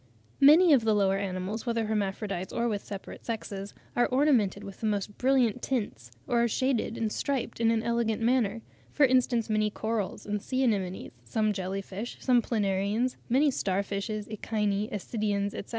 Many of the lower animals, whether hermaphrodites or with separate sexes, are ornamented with the most brilliant tints, or are shaded and striped in an elegant manner; for instance, many corals and sea anemones (Actiniae), some jelly fish (Medusae, Porpita, etc.), some Planariae, many star fishes, Echini, Ascidians, etc.